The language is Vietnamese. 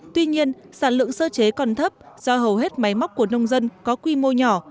tuy nhiên sản lượng sơ chế còn thấp do hầu hết máy móc của nông dân có quy mô nhỏ